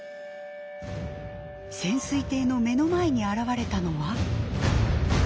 潜水艇の目の前に現れたのは。